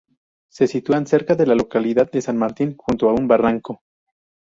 Se sitúan cerca de la localidad de San Martín, junto a un barranco.